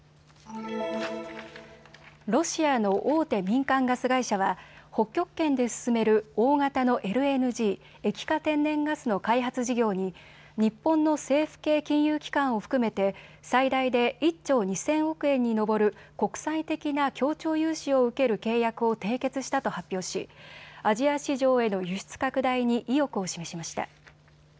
ロシアの大手民間ガス会社は北極圏で進める大型のＬＮＧ・液化天然ガスの開発事業に日本の政府系金融機関を含めて最大で１兆２０００億円に上る国際的な協調融資を受ける契約を締結したと発表しアジア市場への輸出拡大に意欲を示しました。